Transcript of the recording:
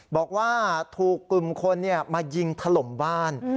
บอกว่าถูกกลุ่มคนมายิงถล่มบ้าน